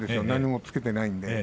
何もつけていないので。